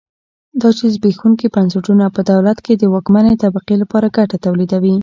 دا چې زبېښونکي بنسټونه په دولت کې د واکمنې طبقې لپاره ګټه تولیدوي.